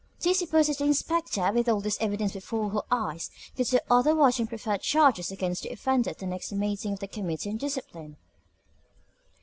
Do you suppose that that inspector, with all this evidence before her eyes, could do otherwise than prefer charges against the offender at the next meeting of the Committee on Discipline?